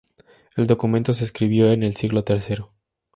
El documento se escribió en el siglo tercero.